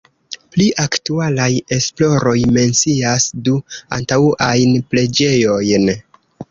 Pli aktualaj esploroj mencias du antaŭajn preĝejojn.